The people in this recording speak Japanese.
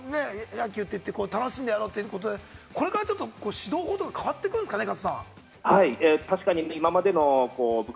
仙台育英もスマイル野球って言って、楽しんでやろうということで、これから指導法とが変わってくるんですかね、加藤さん。